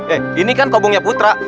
eh ini kan kobongnya putra